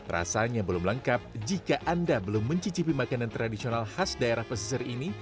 rasanya belum lengkap jika anda belum mencicipi makanan tradisional khas daerah pesisir ini